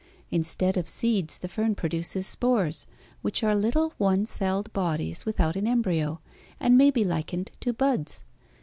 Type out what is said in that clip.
Instead of seeds the fern produces spores, which are little one celled bodies without an embryo and may be likened to buds.